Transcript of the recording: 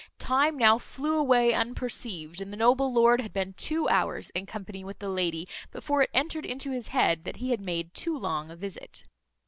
Time now flew away unperceived, and the noble lord had been two hours in company with the lady, before it entered into his head that he had made too long a visit.